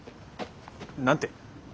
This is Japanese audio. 何て？